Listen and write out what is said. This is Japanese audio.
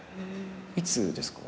いつですか？